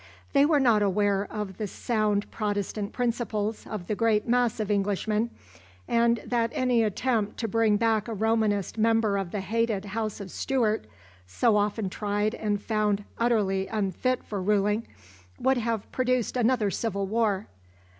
They were not aware of the sound Protestant principles of the great mass of Englishmen, and that any attempt to bring back a Romanist member of the hated House of Stuart, so often tried and found utterly unfit for ruling, would have produced another civil war.